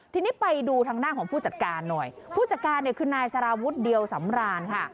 ทีนี้ไปดูทางด้านของผู้จัดการหน่อยผู้จัดการเนี่ยคือนายสารวุฒิเดียวสำรานค่ะ